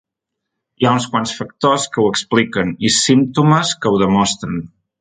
Hi ha uns quants factors que ho expliquen i símptomes que ho demostren.